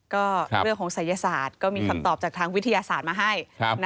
ก็เรื่องของศัยศาสตร์ก็มีคำตอบจากทางวิทยาศาสตร์มาให้